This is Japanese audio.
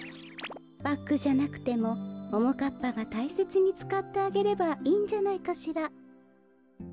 バッグじゃなくてもももかっぱがたいせつにつかってあげればいいんじゃないかしら。